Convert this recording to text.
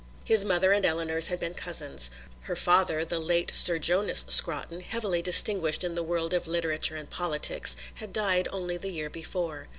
His mother and Eleanor's had been cousins. Her father, the late Sir Jonas Scrotton, heavily distinguished in the world of literature and politics, had died only the year before.